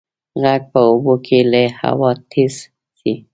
غږ په اوبو کې له هوا تېز ځي.